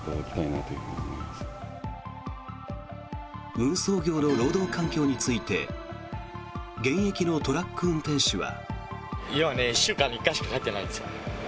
運送業の労働環境について現役のトラック運転手は。